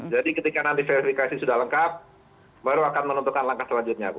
jadi ketika nanti verifikasi sudah lengkap baru akan menentukan langkah selanjutnya bu